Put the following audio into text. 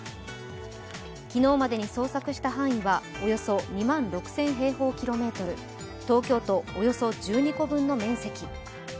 昨日までに捜索した範囲はおよそ２万６０００平方キロメートル、東京都およそ１２個分の面積。